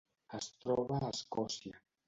Es troba a Escòcia.